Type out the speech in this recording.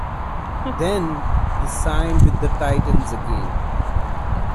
Then, he signed with the Titans again.